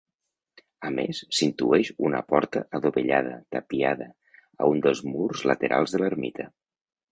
A més, s'intueix una porta adovellada, tapiada, a un dels murs laterals de l'ermita.